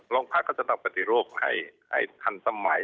โรงพักก็จะต้องปฏิรูปให้ทันสมัย